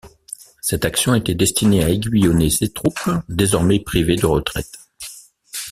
Cette action était destinée à aiguillonner ses troupes, désormais privées de retraite.